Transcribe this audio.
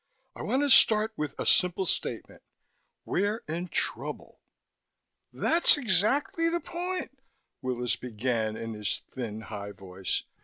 "I want to start with a simple statement. We're in trouble." "That's exactly the point," Willis began in his thin, high voice.